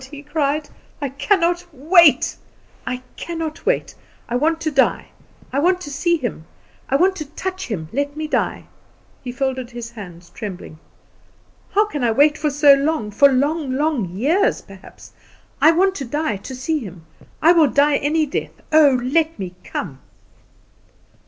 He cried, "I cannot wait; I cannot wait! I want to die; I want to see Him; I want to touch him. Let me die!" He folded his hands, trembling. "How can I wait so long for long, long years perhaps? I want to die to see Him. I will die any death. Oh, let me come!"